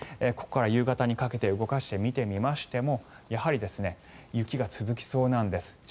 ここから夕方にかけて動かしてみましてもやはり雪が続きそうなんです。